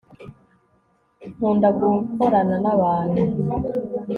nkunda gukorana n'abantu